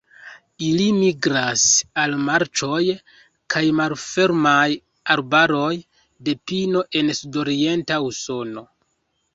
Ili migras al marĉoj kaj malfermaj arbaroj de pino en sudorienta Usono.